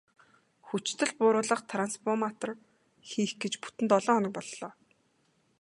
Хүчдэл бууруулах трансформатор хийх гэж бүтэн долоо хоног боллоо.